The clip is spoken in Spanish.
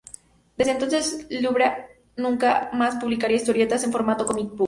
Desde entonces Ivrea nunca más publicaría historietas en formato "comic book".